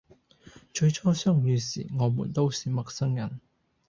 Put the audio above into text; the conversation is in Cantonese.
最初相遇時我們都是陌生人